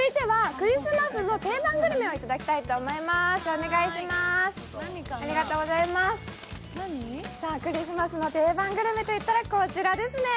クリスマスの定番グルメといったらこちらですね。